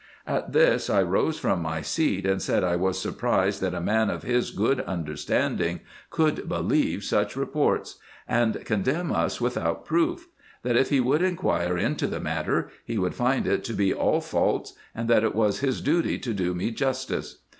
At this I rose from my seat, and said I was surprised that a man of his good under standing could believe such reports, and condemn us without proof ; that, if he would inquire into the matter, he would find it to be all false ; and that it was his duty to do me justice.